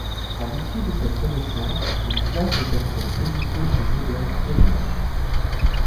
À l'issue de cette renaissance une classe de personnes éduquées et modernes émerge.